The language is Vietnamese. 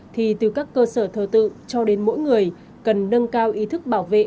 thì từ các cơ sở thờ tự cho đến mỗi người cần nâng cao ý thức bảo vệ